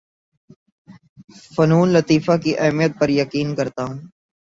فنون لطیفہ کی اہمیت پر یقین کرتا ہوں